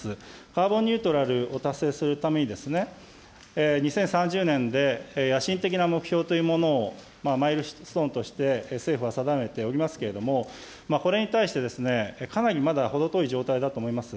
カーボンニュートラルを達成するために、２０３０年で野心的な目標というものをマイルストーンとして政府は定めておりますけれども、これに対して、かなりまだ程遠い状態だと思います。